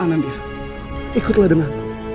anandya ikutlah denganku